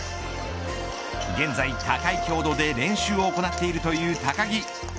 現在、高い強度で練習を行っているという高木。